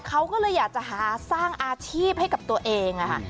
เขาก็เลยอยากจะหาสร้างอาชีพให้กับตัวเอง